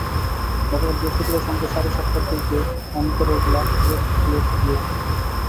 গতকাল বৃহস্পতিবার সন্ধ্যা সাড়ে সাতটার দিকে অন্তরের লাশ ফেরত দিয়েছে বিএসএফ।